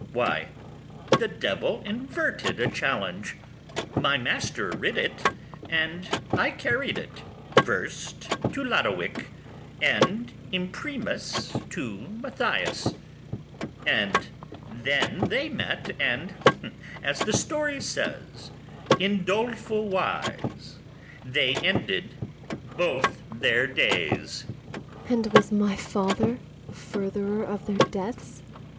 Why, the devil inverted a challenge, my master writ it, and I carried it, first to Lodowick, and imprimis to Mathia[s]; And then they met, [and], as the story says, In doleful wise they ended both their days. ABIGAIL. And was my father furtherer of their deaths?